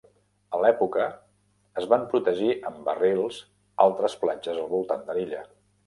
A l'època es van protegir amb barrils altres platges al voltant de l'illa.